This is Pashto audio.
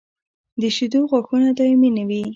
د شېدو غاښونه دایمي نه وي.